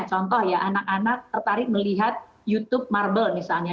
contoh ya anak anak tertarik melihat youtube marble misalnya